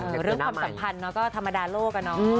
แต่เรื่องความสัมพันธ์ก็ธรรมดาโลกอะเนาะ